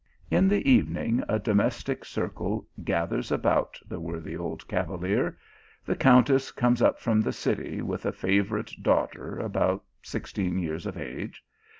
i In the evening, a domestic circle gathers about the worthy old cavalier. The countess comes up from the city, with a favourite daughter about sixteen years of age.